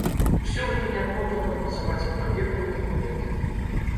Усё гэта неабходна падмацаваць адпаведнымі дакументамі.